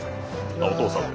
あお父さん。